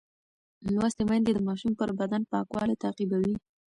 لوستې میندې د ماشوم پر بدن پاکوالی تعقیبوي.